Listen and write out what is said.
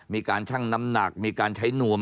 ช่างน้ำหนักมีการใช้นวม